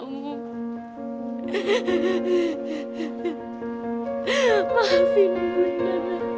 maafin bunda nak